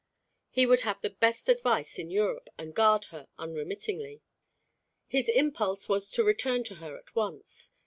He would have the best advice in Europe, and guard her unremittingly. His impulse was to return to her at once.